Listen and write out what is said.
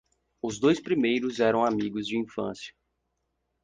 Os dois primeiros eram amigos de infância.